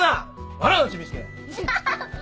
笑うなちびすけ。